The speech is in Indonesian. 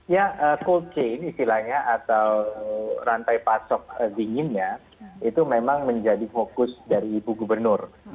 ya cold chain istilahnya atau rantai pasok dinginnya itu memang menjadi fokus dari ibu gubernur